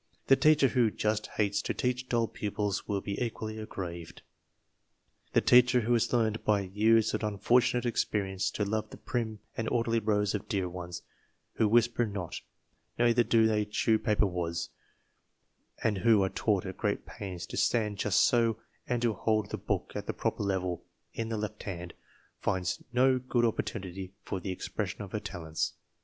The teacher who "just hates" to teach dull pupils will be equally aggrieved. The teacher who has learned, by years of unfortunate experience, to love the prim and orderly rows of dear ones, who whisper not, neither do they chew paper wads, and who are taught at great pains to stand just so and to hold the book at the proper level in the left hand, finds no good opportunity for the expression of her talents.